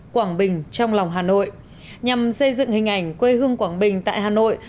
quảng bình trong lòng hà nội nhằm xây dựng hình ảnh quê hương quảng bình tại hà nội